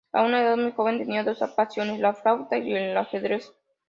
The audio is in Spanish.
A una edad muy joven, tenía dos pasiones: la flauta y el Ajedrez.